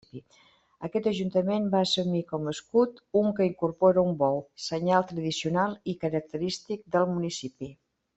Aquest Ajuntament va assumir com a escut un que incorpora un bou, senyal tradicional i característic del municipi.